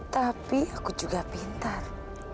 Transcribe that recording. tapi aku juga pintar